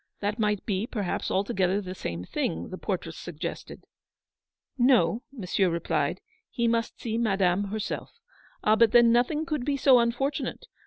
That might be per 78 Eleanor's victory. haps altogether the same thing, the portress suggested. No, Monsieur replied, he must see Madame herself. Ah, but then nothing could be so unfor tunate.